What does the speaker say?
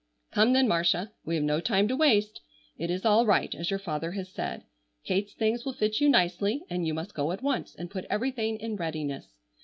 "Come, then, Marcia, we have no time to waste. It is all right, as your father has said. Kate's things will fit you nicely and you must go at once and put everything in readiness.